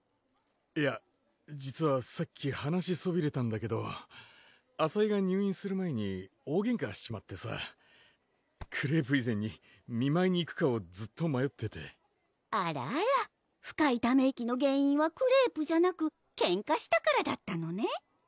いや実はさっき話しそびれたんだけど麻恵が入院する前に大げんかしちまってさクレープ以前に見舞いに行くかをずっとまよっててあらあら深いため息の原因はクレープじゃなくけんかしたからだったのね